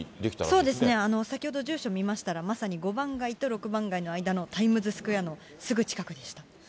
そうですね、先ほど、住所見ましたら、まさに５番街と６番街の間のタイムズスクエアのすぐ近くでした。